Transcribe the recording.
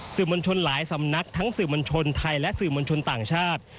มวลชนหลายสำนักทั้งสื่อมวลชนไทยและสื่อมวลชนต่างชาติ